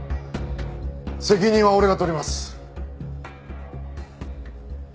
責任は俺が取ります。